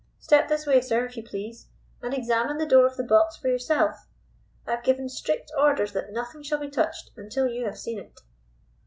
Step this way, sir, if you please, and examine the door of the box for yourself. I have given strict orders that nothing shall be touched until you have seen it."